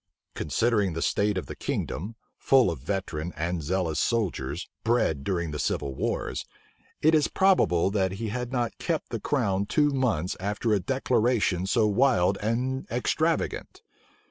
Considering the state of the kingdom, full of veteran and zealous soldiers, bred during the civil wars, it is probable that he had not kept the crown two months after a declaration so wild and extravagant.